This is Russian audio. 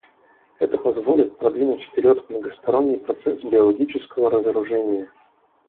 Это позволит продвинуть вперед многосторонний процесс биологического разоружения.